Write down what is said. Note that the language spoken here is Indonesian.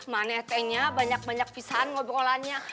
mana etennya banyak banyak pisahan ngobrolannya